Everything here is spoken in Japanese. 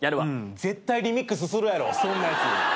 絶対リミックスするやろそんなやつ。